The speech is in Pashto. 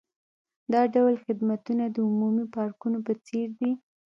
دا ډول خدمتونه د عمومي پارکونو په څیر دي